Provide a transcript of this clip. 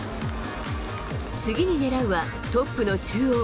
次に狙うは、トップの中央。